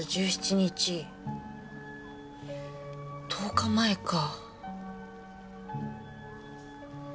「９月１７日」１０日前か。